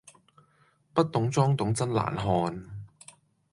不懂裝懂真難看